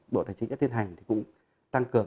bộ tài chính đã tiến hành thì cũng tăng cường